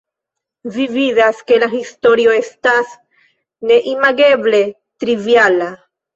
Vi vidas, ke la historio estas neimageble triviala.